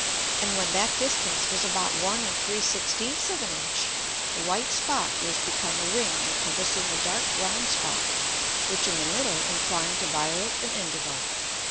And when that distance was about 1 3/16 of an Inch, the white Spot was become a Ring encompassing a dark round Spot which in the middle inclined to violet and indigo.